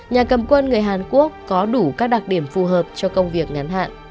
nhà cầm quân người hàn quốc có đủ các đặc điểm phù hợp cho công việc ngắn hạn